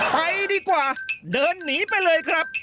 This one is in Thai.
ไปดีกว่าเดินหนีไปเลยครับ